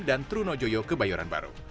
dan truno joyo ke bayoran jawa